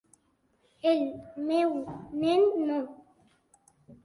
El meu nen no.